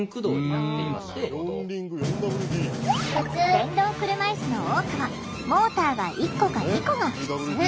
電動車いすの多くはモーターが１個か２個がふつう。